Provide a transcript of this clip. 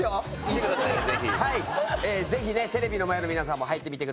ぜひねテレビの前の皆さんも入ってみてください。